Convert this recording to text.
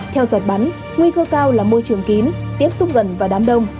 theo dõi bắn nguy cơ cao là môi trường kín tiếp xúc gần và đám đông